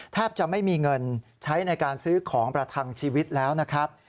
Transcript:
แทบจะไม่มีเงินใช้ในการซื้อของประทังชีวิตแล้วนะครับ